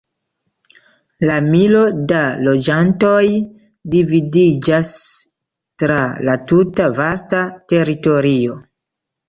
La milo da loĝantoj dividiĝas tra la tuta vasta teritorio.